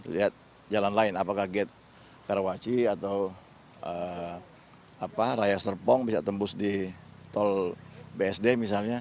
lihat jalan lain apakah gate karawaci atau raya serpong bisa tembus di tol bsd misalnya